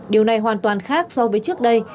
điều này hoàn toàn khác so với trước đây